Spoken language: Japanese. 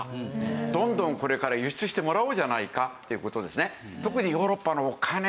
どんどんこれから輸出してもらおうじゃないかっていう事ですね。